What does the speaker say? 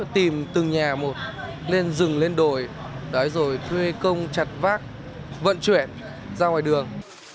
tìm từng nhà một lên rừng lên đồi rồi thuê công chặt vác vận chuyển ra ngoài đường